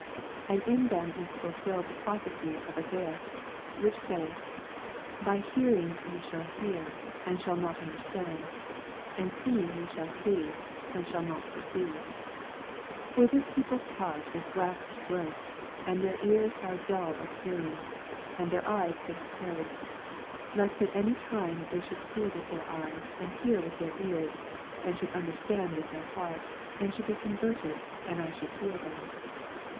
14 And in them is fulfilled the Erophecy of Esaias, which saith. By earing ye shall hear, and shall not understand ; and seeing ye shall see, and shall not perceive : 15 For this people's heart is waxed gross, and thevr ears are dull of hear ing, and their eyes they have closed ; lest at any time they should see with their eves, and hear with their ears, and snould understand with their heart, and should be converted, and I should heal them.